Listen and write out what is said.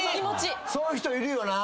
そういう人いるよな。